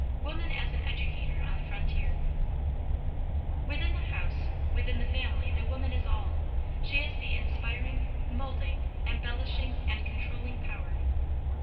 WOMAN AS AN EDUCATOR ON THE FRONTIER "Within the house, within the family the woman is all: she is the inspiring, moulding, embellishing, and controlling power."